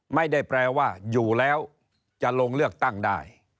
ไม่ได้แปลว่าอยู่แล้วจะลงเลือกตั้งได้